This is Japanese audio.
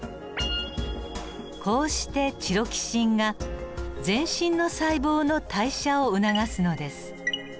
こうしてチロキシンが全身の細胞の代謝を促すのです。